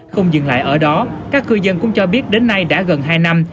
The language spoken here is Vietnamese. không dừng lại ở đó các cư dân cũng cho biết đến nay đã gần hai năm